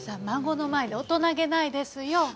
孫の前で大人げないですよ。